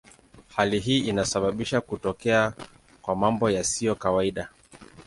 Hali hii inasababisha kutokea kwa mambo yasiyo kawaida.